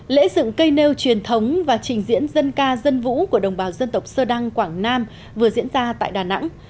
lễ dựng cây nêu truyền thống và trình diễn dân ca dân vũ của đồng bào dân tộc sơ đăng quảng nam vừa diễn ra tại đà nẵng